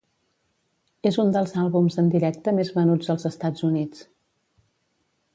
És un dels àlbums en directe més venuts als Estats Units.